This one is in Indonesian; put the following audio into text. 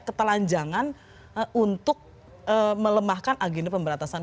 ketelanjangan untuk melemahkan agenda pemberantasan